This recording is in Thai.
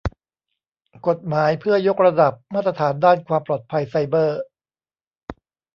กฎหมายเพื่อยกระดับมาตรฐานด้านความปลอดภัยไซเบอร์